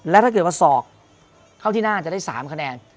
แล้วถ้าเกิดว่าศอกเข้าที่หน้าจะได้๓คะแนน